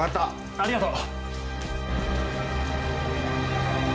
ありがとう。